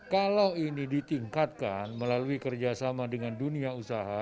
kalau ini ditingkatkan melalui kerjasama dengan dunia usaha